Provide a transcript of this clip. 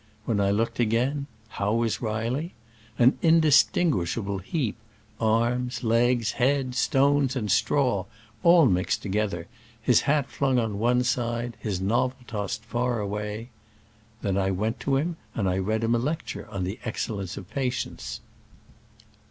When I looked again, how was Reilly? An indistin guishable heap — arms, legs, head, stones and straw, all mixed together, his hat flung on one side, his novel tossed far away! Then I went to him and read him a lecture on the excel lence of pa tience.